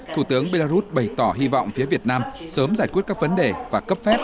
thủ tướng belarus bày tỏ hy vọng phía việt nam sớm giải quyết các vấn đề và cấp phép